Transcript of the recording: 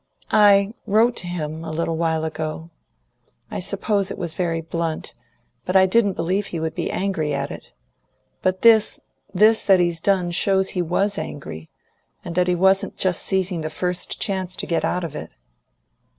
I wrote to him a little while ago. I suppose it was very blunt, but I didn't believe he would be angry at it. But this this that he's done shows he was angry, and that he wasn't just seizing the first chance to get out of it."